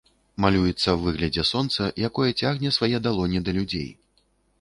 Малюецца ў выглядзе сонца, якое цягне свае далоні да людзей.